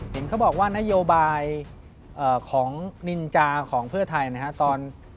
เห็นเขาบอกว่านโยบายของนินจาของเพื่อไทยนะครับ